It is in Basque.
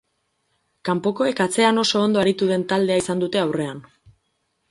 Kanpokoek atzean oso ondo aritu den taldea izan dute aurrean.